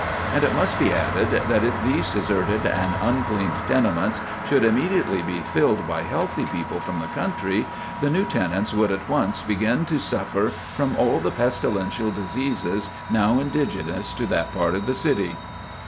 And it must be added, that if these deserted and uncleaned tenements should immediately be filled by healthy people from the country, the new tenants would at once begin to suffer from all the pestilential diseases now indigenous to that part of the city.